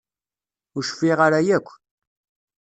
Ur cfiɣ ara yakk.